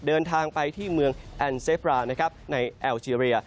เดินทางไปที่เมืองแอนเซฟรานะครับในแอลเจรีย